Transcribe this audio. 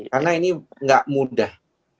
karena ini tidak mudah